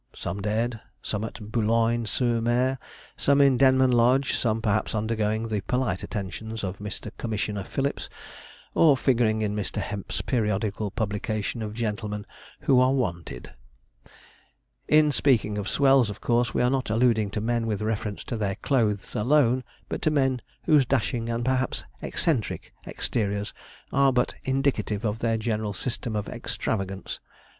Some dead, some at Boulogne sur Mer, some in Denman Lodge, some perhaps undergoing the polite attentions of Mr. Commissioner Phillips, or figuring in Mr. Hemp's periodical publication of gentlemen 'who are wanted.' In speaking of 'swells,' of course we are not alluding to men with reference to their clothes alone, but to men whose dashing, and perhaps eccentric, exteriors are but indicative of their general system of extravagance.